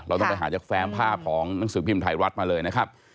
เราต้องไปหาจากแฟมภาพของหนังสือพิมพ์ไทยรัฐมาเลยนะครับ